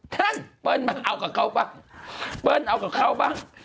ท่านเปิ้ลมาเอากับเขาบ้างเปิ้ลเอากับเขาบ้าง